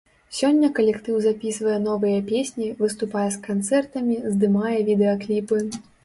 Сёння калектыў запісвае новыя песні, выступае з канцэртамі, здымае відэакліпы.